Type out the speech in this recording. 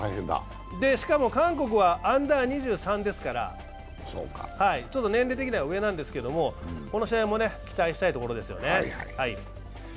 しかも韓国はＵ−２３ですからちょっと年齢的には上なんですけれどこの試合も期待したいところですね。